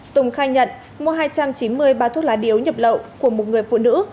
tùng khai nhận mua hai trăm chín mươi bao thuốc lá điếu nhập lậu của một người phụ nữ